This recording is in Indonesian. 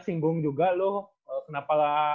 singgung juga lu kenapa